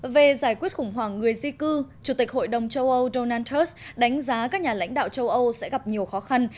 về giải quyết khủng hoảng người di cư chủ tịch hội đồng châu âu donald trump đánh giá các nhà lãnh đạo châu âu sẽ gặp nhiều khó khăn